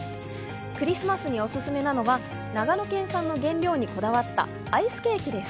クリスマスにおすすめなのは長野県産の原料にこだわったアイスケーキです。